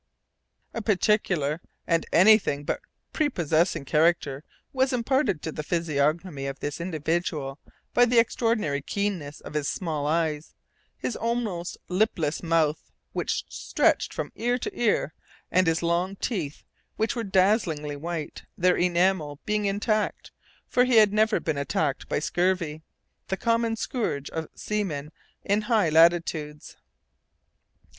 A particular and anything but prepossessing character was imparted to the physiognomy of this individual by the extraordinary keenness of his small eyes, his almost lipless mouth, which stretched from ear to ear, and his long teeth, which were dazzlingly white; their enamel being intact, for he had never been attacked by scurvy, the common scourge of seamen in high latitudes.